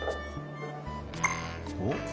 おっ？